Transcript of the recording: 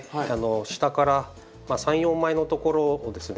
下から３４枚のところをですね